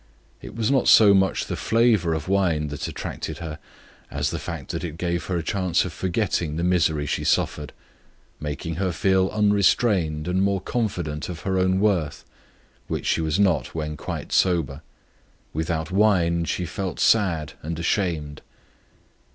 It was not so much the flavour of wine that tempted her as the fact that it gave her a chance of forgetting the misery she suffered, making her feel more unrestrained and more confident of her own worth, which she was not when quite sober; without wine she felt sad and ashamed.